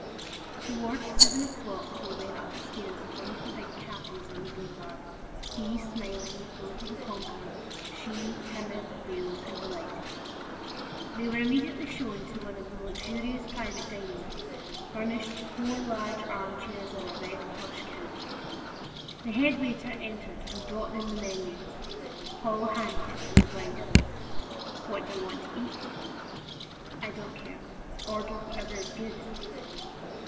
Toward seven o'clock they went up the stairs of one of the big cafes on the Boulevard, he, smiling, with the look of a conqueror, she, timid, veiled, delighted. They were immediately shown to one of the luxurious private dining rooms, furnished with four large arm chairs and a red plush couch. The head waiter entered and brought them the menu. Paul handed it to his wife. "What do you want to eat?" "I don't care; order whatever is good."